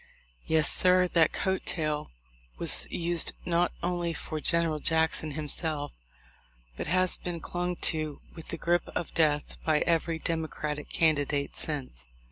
Yes, sir, that coat tail was used not only for General Jackson himself, but has been clung to with the grip of death by every Demo cratic candidate since.